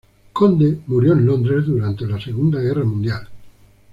Conde murió en Londres durante la Segunda Guerra Mundial.